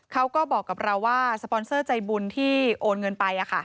เขาก็บอกกับเราว่าสปอนเซอร์ใจบุญที่โอนเงินไป